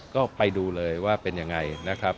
ก็ไปดูเลยว่าเป็นยังไงนะครับ